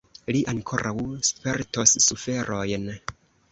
Li ankoraŭ spertos suferojn!